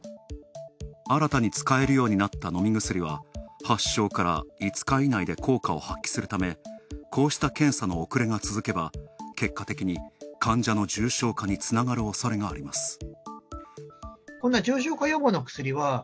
新たに使えるようになった飲み薬は発症から５日以内で効果を発揮するためこうした検査の遅れが続けば結果的に患者の重症化につながるおそれがあります。